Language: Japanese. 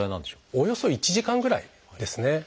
おおよそ１時間ぐらいですね。